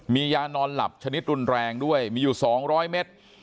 มียานอนหลับชนิดรุนแรงด้วยมีอยู่๒๐๐เมตร